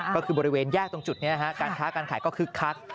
ก็คือบริเวณแยกตรงจุดนี้การค้าการขายก็คึกคัก